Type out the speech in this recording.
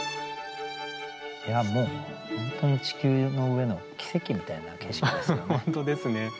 もう本当に地球の上の奇跡みたいな景色ですけどね。